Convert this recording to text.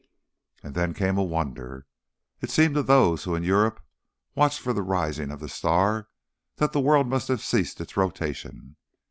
And then came a wonder. It seemed to those who in Europe watched for the rising of the star that the world must have ceased its rotation.